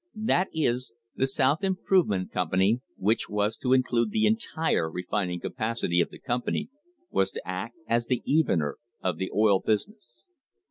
That is, the South Improvement Company, which was to include the entire refining capacity of the company, was to act as the evener of the oil business.